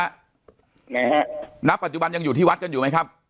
ไหนฮะณปัจจุบันยังอยู่ที่วัดกันอยู่ไหมครับ